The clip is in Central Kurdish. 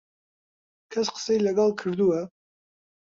کەس قسەی لەگەڵ کردووە؟